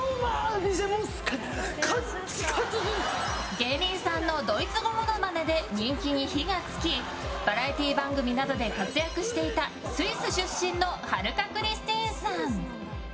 芸人さんのドイツ語モノマネで人気に火が付きバラエティー番組などで活躍していたスイス出身の春香クリスティーンさん。